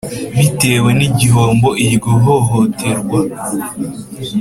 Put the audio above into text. Bitewe n igihombo iryo hohoterwa